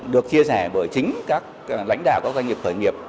được chia sẻ bởi chính các lãnh đạo các doanh nghiệp khởi nghiệp